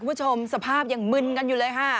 คุณผู้ชมสภาพยังมึนกันอยู่เลยค่ะ